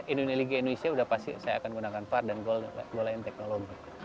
indonesia sudah pasti saya akan menggunakan var dan golein teknologi